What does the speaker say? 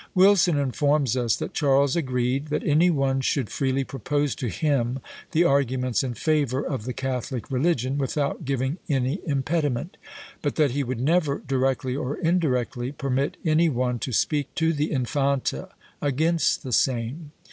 Wilson informs us that Charles agreed "That any one should freely propose to him the arguments in favour of the catholic religion, without giving any impediment; but that he would never, directly or indirectly, permit any one to speak to the Infanta against the same."